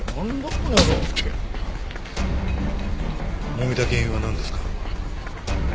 もめた原因はなんですか？